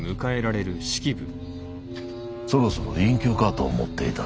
そろそろ隠居かと思っていたのだ。